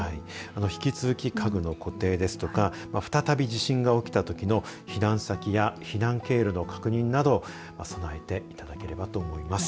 引き続き家具の固定ですとか再び地震が起きたときの避難先や避難経路の確認など備えていただきたいと思います。